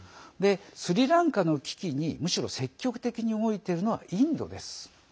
スリランカの危機にむしろ積極的に動いているのはインドです。